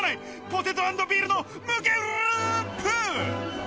ポテト＆ビールの無限ループ！